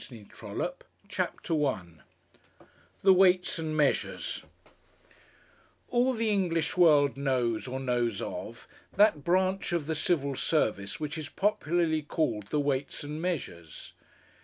CONCLUSION CHAPTER I THE WEIGHTS AND MEASURES All the English world knows, or knows of, that branch of the Civil Service which is popularly called the Weights and Measures.